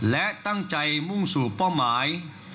และตั้งใจมุ่งสู่เป้าหมาย